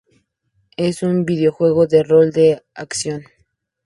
Es un videojuego de rol de acción.